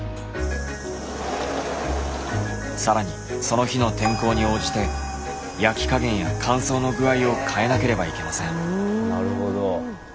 更にその日の天候に応じて焼き加減や乾燥の具合を変えなければいけません。